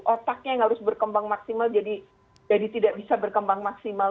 otaknya yang harus berkembang maksimal jadi tidak bisa berkembang maksimal